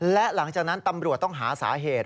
และหลังจากนั้นตำรวจต้องหาสาเหตุ